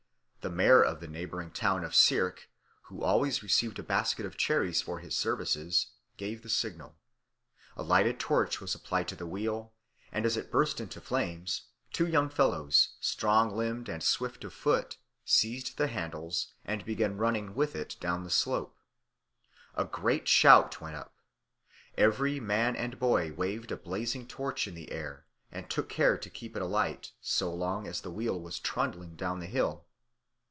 The mayor of the neighbouring town of Sierck, who always received a basket of cherries for his services, gave the signal; a lighted torch was applied to the wheel, and as it burst into flame, two young fellows, strong limbed and swift of foot, seized the handles and began running with it down the slope. A great shout went up. Every man and boy waved a blazing torch in the air, and took care to keep it alight so long as the wheel was trundling down the hill.